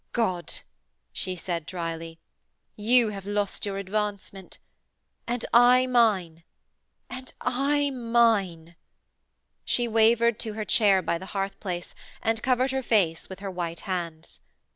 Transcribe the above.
'God!' she said drily, 'you have lost your advancement. And I mine!... And I mine.' She wavered to her chair by the hearth place, and covered her face with her white hands.